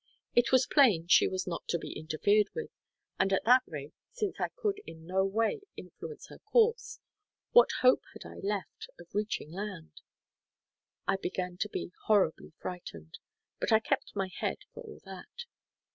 It was plain she was not to be interfered with, and at that rate, since I could in no way influence her course, what hope had I left of reaching land? I began to be horribly frightened, but I kept my head, for all that.